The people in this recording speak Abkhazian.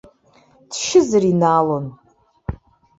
Дшьызар инаалон.